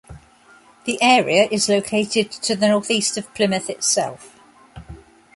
The area is located to the north east of Plymouth itself.